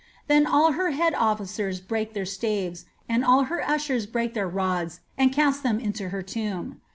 Then all her head officers biake their staves, and all her ushers brake their rods and cast them into her tomb.